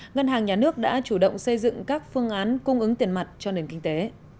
ngân hàng nhà nước đã chủ động xây dựng các phương án cung ứng tiền mặt cho nền kinh tế